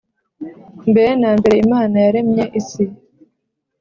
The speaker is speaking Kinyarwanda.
Mbere na mbere imana yaremye isi